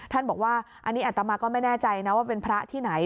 บอกว่าอันนี้อัตมาก็ไม่แน่ใจนะว่าเป็นพระที่ไหน